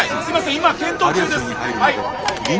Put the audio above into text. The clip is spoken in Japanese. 今検討中です。